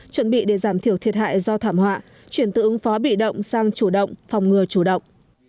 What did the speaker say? chuẩn bị để giảm thiểu thiệt hại do thảm họa chuyển từ ứng phó bị động sang chủ động phòng ngừa chủ động